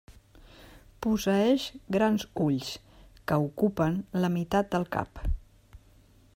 Posseeix grans ulls, que ocupen la meitat del cap.